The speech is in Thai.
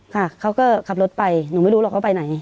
ค่ะเขาก็ขับรถไปหนูไม่รู้หรอกว่าไปไหน